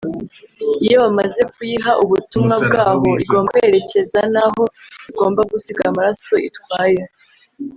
Iyo bamaze kuyiha ubutumwa bw’aho igomba kwerekeza naho igomba gusiga amaraso itwaye